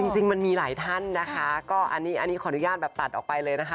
จริงมันมีหลายท่านนะคะก็อันนี้ขออนุญาตแบบตัดออกไปเลยนะคะ